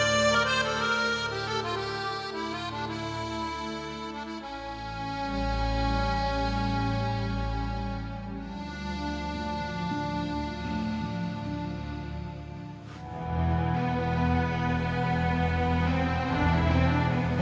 ada pilihan researchers menyebutnyaparable